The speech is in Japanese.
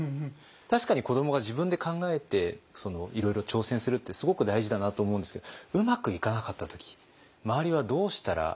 確かに子どもが自分で考えていろいろ挑戦するってすごく大事だなと思うんですけどうまくいかなかった時周りはどうしたらいいのかということ。